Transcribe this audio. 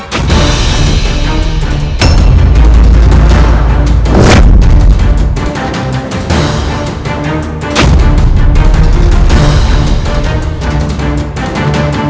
aku akan tinjau ketika liat